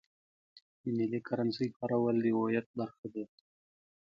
د ملي کرنسۍ کارول د هویت برخه ده.